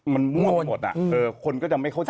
มันม่วิมันมันมวดอะคนก็จะไม่เข้าใจ